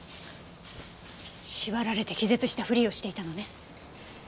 縛られて気絶したふりをしていたのね。